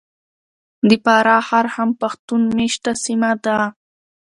د فراه ښار هم پښتون مېشته سیمه ده .